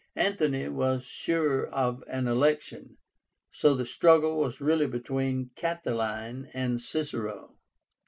Antony was sure of an election, so the struggle was really between Catiline and Cicero.